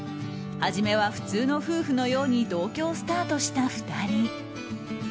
初めは普通の夫婦のように同居をスタートした２人。